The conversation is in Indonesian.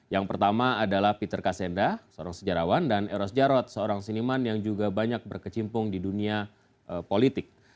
yang pertama adalah peter kassenda seorang sejarawan dan eros jarod seorang seniman yang juga banyak berkecimpung di dunia politik